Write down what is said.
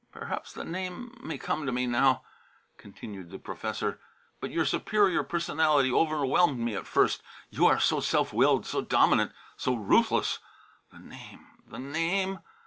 "Perhaps the name may come to me now," continued the professor. "But your superior personality overwhelmed me at first; you are so self willed, so dominant, so ruthless. The name, the name!"